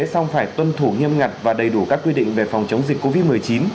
song phải tuân thủ nghiêm ngặt và đầy đủ các quy định về phòng chống dịch covid một mươi chín